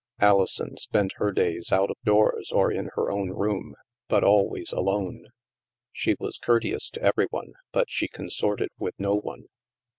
Alison spent her days out of doors or in her own room, but always alone. She was courteous to every one, but she consorted with no one.